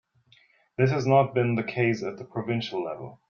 This has not been the case at the provincial level.